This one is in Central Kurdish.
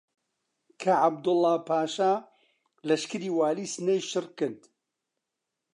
کە عەبدوڵڵاهـ پاشا لەشکری والیی سنەی شڕ کرد